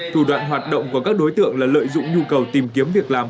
thủ đoạn hoạt động của các đối tượng là lợi dụng nhu cầu tìm kiếm việc làm